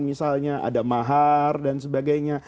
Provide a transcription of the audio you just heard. misalnya ada mahar dan sebagainya